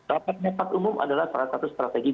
rapat rapat umum adalah salah satu strategi